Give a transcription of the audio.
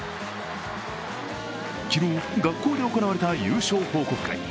昨日、学校で行われた優勝報告会。